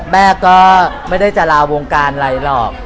แม่ก็ไม่ได้จะลาวงการอะไรหรอก